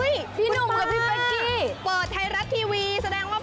เอ้ยพี่นุมกับพี่ไฟ่กี้